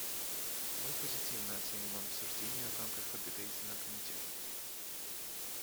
Мы позитивно оцениваем обсуждения в рамках подготовительного комитета.